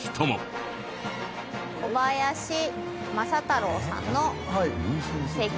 小林政太郎さんの生家。